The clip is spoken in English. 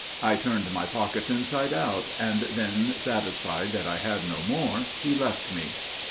I turned my pockets inside out, and then, satisfied that I had no more, he left me.